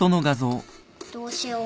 どうしよう。